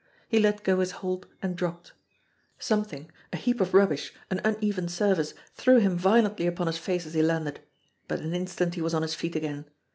He let go his hold and dropped. Something, a heap of rubbish, an uneven surface, threw him violently upon his face as he landed, but in an instant he was on his feet again.